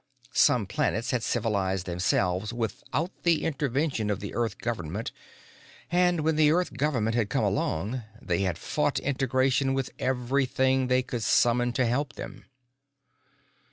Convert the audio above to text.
Some planets had civilized themselves without the intervention of the Earth government, and, when the Earth government had come along, they had fought integration with everything they could summon to help them.